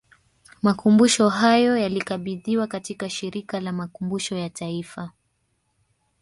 Makumbusho hayo yalikabidhiwa katika Shirika la Makumbusho ya Taifa